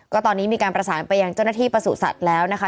ก็ตอนนี้มีการประสานไปยังเจ้าหน้าที่ประสูจนสัตว์แล้วนะคะ